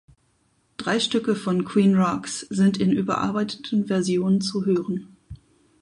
Drei Stücke von "Queen Rocks" sind in überarbeiteten Versionen zu hören.